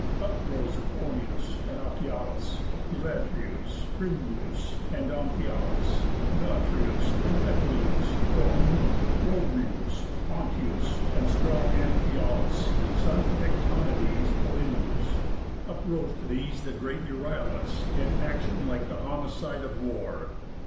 Up rose Acroneus, and Ocyalus, Elatreus, Prymneus, and Anchialus, Nauteus, Eretmeus, Thoen, Proreüs, Pontëus, and the strong Amphialus Son to Tectonides Polyneüs. Up rose to these the great Euryalus, In action like the Homicide of War.